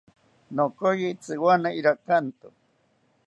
Nokoyi tziwana irakanto